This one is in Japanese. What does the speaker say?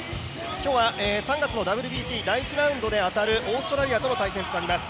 今日は３月のＷＢＣ第１ラウンドであたるオーストラリアとの対戦となります。